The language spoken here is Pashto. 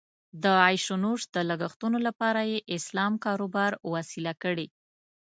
د عیش او نوش د لګښتونو لپاره یې اسلام کاروبار وسیله کړې.